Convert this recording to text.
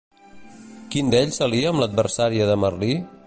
Quin d'ells s'alia amb l'adversària de Merlí?